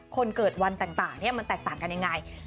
คนเกิดวันแต่งต่างเนี่ยมันแตกต่างกันยังไง